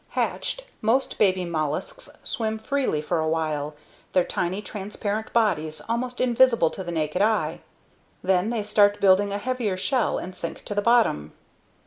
Hatched, most baby mollusks swim freely for a while, their tiny, transparent bodies almost invisible to the naked eye. Then they start building a heavier shell and sink to the bottom.